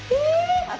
私？